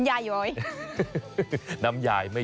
คิดว่ายังไง